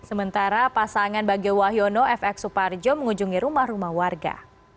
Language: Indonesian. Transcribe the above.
sementara pasangan bagio wahyono fx suparjo mengunjungi rumah rumah warga